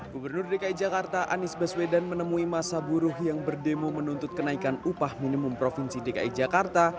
gubernur dki jakarta anies baswedan menemui masa buruh yang berdemo menuntut kenaikan upah minimum provinsi dki jakarta